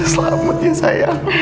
selamat ya sayang